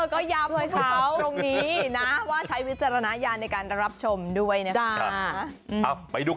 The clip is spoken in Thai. ก็ย้ำเลยเช้าตรงนี้นะว่าใช้วิจารณญาณในการรับชมด้วยนะคะ